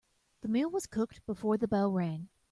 The meal was cooked before the bell rang.